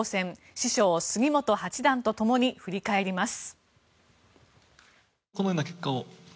師匠・杉本八段とともに振り返ります。